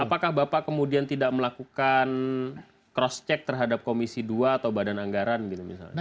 apakah bapak kemudian tidak melakukan cross check terhadap komisi dua atau badan anggaran gitu misalnya